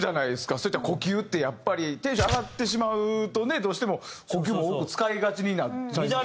そういった呼吸ってやっぱりテンション上がってしまうとねどうしても呼吸も多く使いがちになっちゃいますし。